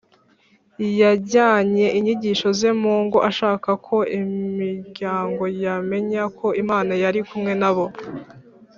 Yajyanye inyigisho ze mu ngo, ashaka ko imiryango yamenya ko Imana yari kumwe nabo.